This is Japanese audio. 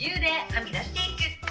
はみ出していく。